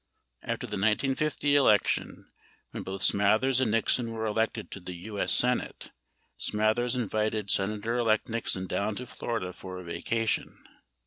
12 After the 1950 elec tion, when both Smathers and Nixon were elected to the TT.S. Senate, Smathers invited Senator elect Nixon down to Florida for a vacation.